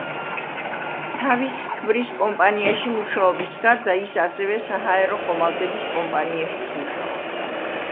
თავის ქმრის კომპანიაში მუშაობის გარდა ის ასევე საჰაერო ხომალდების კომპანიაშიც მუშაობდა.